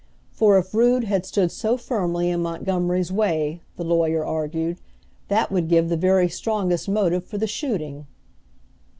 For if Rood had stood so firmly in Montgomery's way, the lawyer argued, that would give the very strongest motive for the shooting.